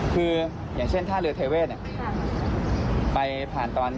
คืออย่างเช่นถ้าเรือเทเวสไปผ่านตอน๒๑๕๔๐๕